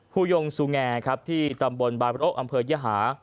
ภูยงสูงแงที่ตำบลบาลบุรกอำเภายหา